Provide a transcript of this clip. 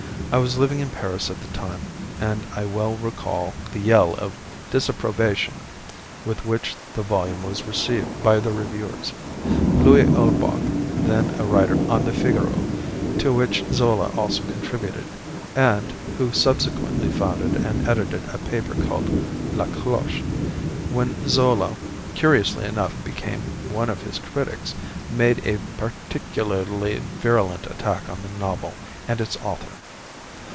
I was living in Paris at the time, and I well recall the yell of disapprobation with which the volume was received by the reviewers. Louis Ulbach, then a writer on the "Figaro," to which Zola also contributed, and who subsequently founded and edited a paper called "La Cloche," when Zola, curiously enough, became one of his critics, made a particularly virulent attack on the novel and its author.